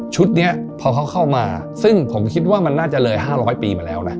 นี้พอเขาเข้ามาซึ่งผมคิดว่ามันน่าจะเลย๕๐๐ปีมาแล้วนะ